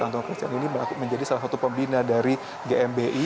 antara kresen ini menjadi salah satu pembina dari gmbi